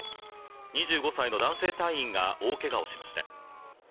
２５歳の男性隊員が大怪我をしました。